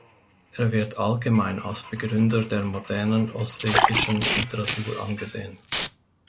Er wird allgemein als Begründer der modernen ossetischen Literatur angesehen.